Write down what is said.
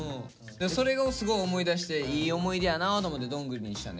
それをすごい思い出していい思い出やなと思ってどんぐりにしたねん。